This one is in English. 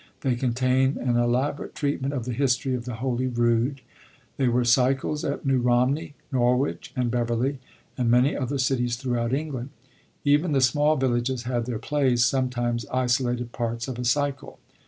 They contain an elaborate treatment of the history of the Holy Rood.2 There were cycles at New Romney, Nor wich and Beverley, and many other cities throughout England. Even the small villages had their plays, some times isolated parts of a cycle.